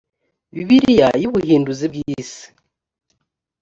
bibiliya y’ubuhinduzi bw’isi